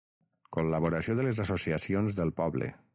Col·laboració de les associacions del poble.